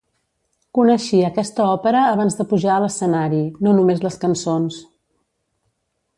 Coneixia aquesta òpera abans de pujar a l'escenari, no només les cançons.